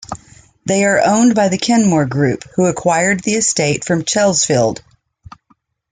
They are owned by the Kenmore Group, who acquired the estate from Chelsfield.